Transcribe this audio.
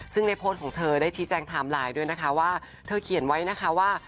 ซึ่งในโพสต์ของเธอได้ชี้แจงไทม์ไลน์ด้วยนะคะว่าเธอเขียนไว้นะคะว่า